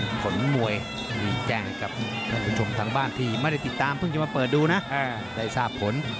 ผลมวยมีแจ้งกับท่านผู้ชมทางบ้านที่ไม่ได้ติดตามเพิ่งจะมาเปิดดูนะได้ทราบผล